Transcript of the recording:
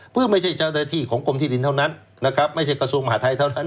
เพื่อไม่ใช่เจ้าหน้าที่ของกรมที่ดินเท่านั้นนะครับไม่ใช่กระทรวงมหาทัยเท่านั้น